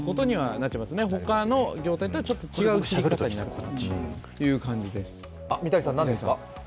他の業界とはちょっと違う切り方になってくるということですね。